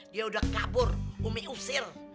dia udah kabur umi usir